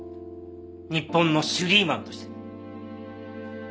日本のシュリーマンとして。